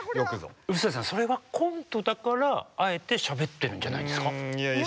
臼田さんそれはコントだからあえてしゃべってるんじゃないですか？